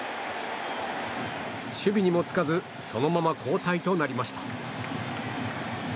守備にも就かずそのまま交代となりました。